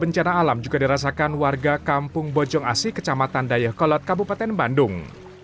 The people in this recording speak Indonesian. bencana alam juga dirasakan warga kampung bojong asi kecamatan dayakolot kabupaten bandung